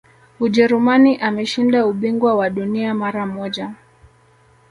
ujerumani ameshinda ubingwa wa dunia mara moja